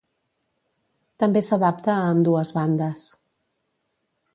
També s'adapta a ambdues bandes.